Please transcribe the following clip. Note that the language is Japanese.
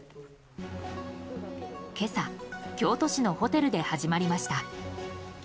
今朝、京都市のホテルで始まりました。